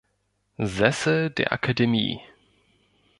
Sessel“ der Akademie.